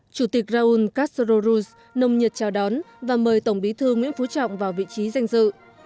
chủ tịch raúl castro ruz nông nhiệt chào đón và mời tổng bí thư nguyễn phú trọng vào vị trí danh dự